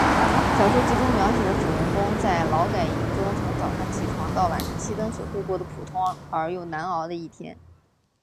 小说集中描写了主人公在劳改营中从早上起床到晚上熄灯所度过的普通而又难熬的一天。